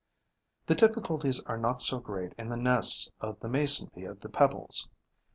The difficulties are not so great in the nests of the Mason bee of the Pebbles.